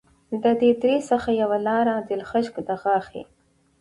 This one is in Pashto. د دې درې څخه یوه لاره دلخشک دغاښي